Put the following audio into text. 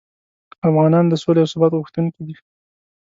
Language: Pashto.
افغانان د سولې او ثبات غوښتونکي دي.